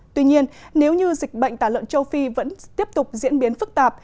tuy nhiên nếu như dịch bệnh tả lợn châu phi vẫn tiếp tục diễn biến phức tạp